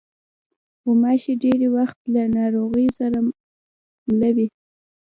غوماشې ډېری وخت له ناروغیو سره مله وي.